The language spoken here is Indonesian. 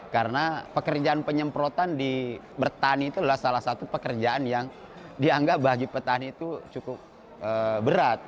karena pekerjaan penyemprotan di bertani itu adalah salah satu pekerjaan yang dianggap bagi petani itu cukup berat